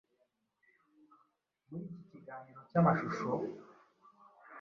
Muri iki kiganiro cy’amashusho